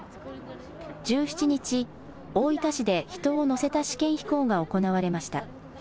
１７日、大分市で人を乗せた試験飛行が行われました。